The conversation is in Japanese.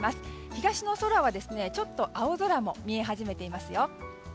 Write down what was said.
東の空はちょっと青空も見え始めていますよ。